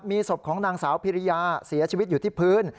มีศพของนางสาวพิริยาเสียชีวิตอยู่ที่พื้น